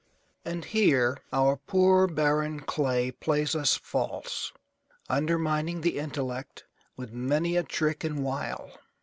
And here our poor barren clay plays us false, undermining the intellect with many a trick and wile.